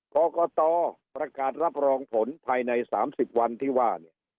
กรกตประกาศรับรองผลภายใน๓๐วันที่ว่าเนี่ย